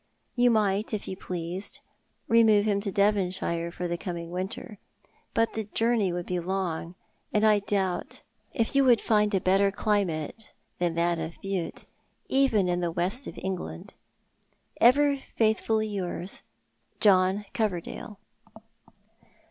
You might, if you pleased, remove him to Devonshire for the coming winter ; but the journey would be long, and I doubt if you would fuid a better climate than that of Bute, even in the West of England. " Ever faithfully yours, "John Coyerdale."